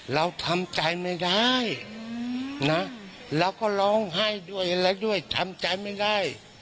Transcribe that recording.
เราทำใจไม่ได้นะเราก็ร้องไห้ด้วยอะไรด้วยทำใจไม่ได้